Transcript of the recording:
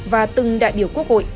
và từng đại biểu quốc hội